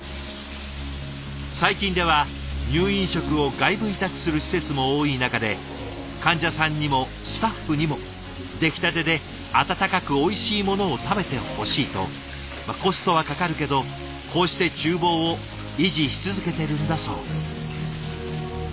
最近では入院食を外部委託する施設も多い中で患者さんにもスタッフにも出来たてで温かくおいしいものを食べてほしいとコストはかかるけどこうして厨房を維持し続けてるんだそう。